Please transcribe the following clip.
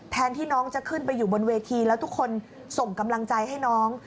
ที่น้องจะขึ้นไปอยู่บนเวทีแล้วทุกคนส่งกำลังใจให้น้อง